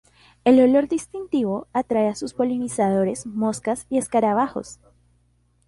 El olor distintivo atrae a sus polinizadores, moscas y escarabajos.